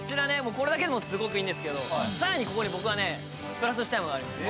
これだけでもすごくいいんですけどさらにここに僕はねプラスしたいものがあります